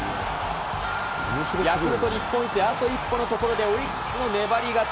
ヤクルト日本一あと一歩のところでオリックスの粘り勝ち。